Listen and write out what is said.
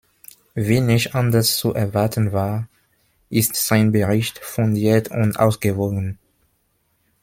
Wie nicht anders zu erwarten war, ist sein Bericht fundiert und ausgewogen.